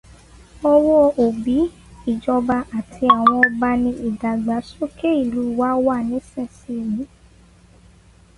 Ọwọ́ Òbí, ìjọba, àti àwọn Ọba ni ìdágbàsókè ìlú wa wà nísinsìnyí